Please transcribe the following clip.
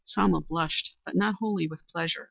Selma blushed, but not wholly with pleasure.